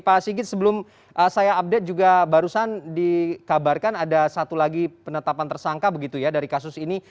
pak sigit sebelum saya update juga barusan dikabarkan ada satu lagi penetapan tersangka begitu ya dari kasus ini